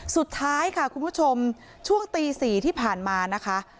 สุดท้ายค่ะคุณผู้ชมช่วงตี๔ที่ผ่านมานะคะ